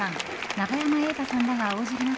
永山瑛太さんらが応じる中